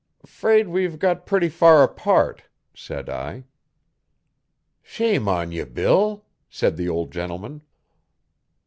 ''Fraid we've got pretty far apart,' said I. 'Shame on ye, Bill,' said the old gentleman.